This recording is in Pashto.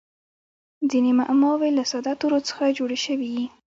ځیني معماوي له ساده تورو څخه جوړي سوي يي.